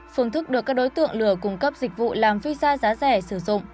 phương thức được các đối tượng lừa cung cấp dịch vụ làm visa giá rẻ sử dụng